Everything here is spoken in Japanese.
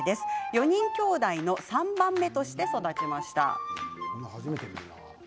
４人きょうだいの３番目として育った西野さん。